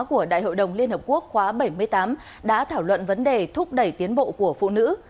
của đại hội đồng liên hợp quốc khóa bảy mươi tám đã thảo luận vấn đề thúc đẩy tiến bộ của phụ nữ